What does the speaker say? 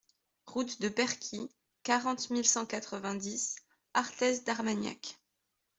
Route de Perquie, quarante mille cent quatre-vingt-dix Arthez-d'Armagnac